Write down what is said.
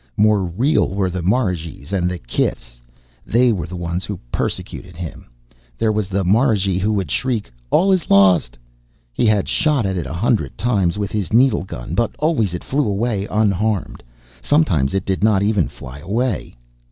More real were the marigees and the kifs. They were the ones who persecuted him. There was the marigee who would shriek "All is lost!" He had shot at it a hundred times with his needle gun, but always it flew away unharmed. Sometimes it did not even fly away.